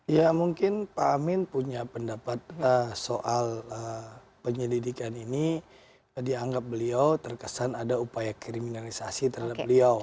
ya mungkin pak amin punya pendapat soal penyelidikan ini dianggap beliau terkesan ada upaya kriminalisasi terhadap beliau